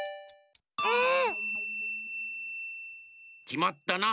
きまったな。